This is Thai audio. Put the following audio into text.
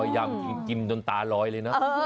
หิมยังกินจนตาลอยเลยน่ะ